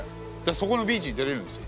そこのビーチに出れるんすよ。